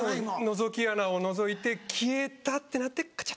のぞき穴をのぞいて消えたってなってカチャ。